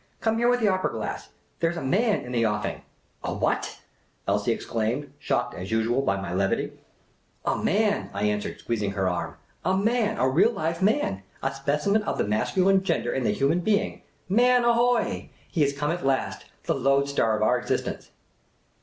" Come here with the opera glass ! There 's a Man in the offing !" "A what?'' Elsie exclaimed, shocked as usual at my levity. 126 Miss Cayley's Adventures " A Man," I answered, squeezing her arm. " A Man ! A real live Man ! A specimen of the masculine gender in the human being ! Man, ahoy ! He has come at last — the loadstar of our existence